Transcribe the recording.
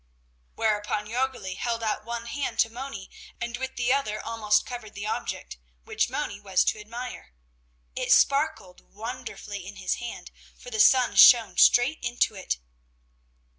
Whereupon Jörgli held out one hand to Moni, and with the other almost covered the object, which Moni was to admire; it sparkled wonderfully in his hand, for the sun shone straight into it.